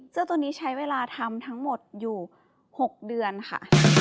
เจ้าตัวนี้ใช้เวลาทำทั้งหมดอยู่๖เดือนค่ะ